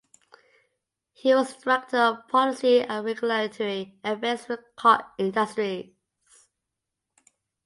He was director of Policy and Regulatory Affairs with Koch Industries.